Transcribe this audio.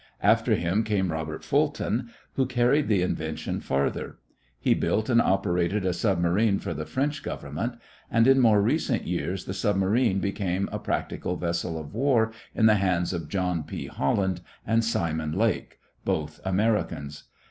After him came Robert Fulton, who carried the invention farther. He built and operated a submarine for the French Government, and, in more recent years, the submarine became a practical vessel of war in the hands of John P. Holland and Simon Lake, both Americans.